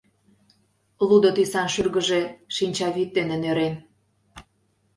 Лудо тӱсан шӱргыжӧ шинчавӱд дене нӧрен.